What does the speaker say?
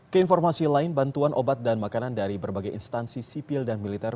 keinformasi lain bantuan obat dan makanan dari berbagai instansi sipil dan militer